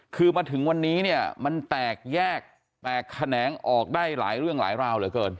คือมาถึงวันนี้เนี่ยมันแตกแยกแตกแขนงออกได้หลายเรื่องหลายราวเหลือเกิน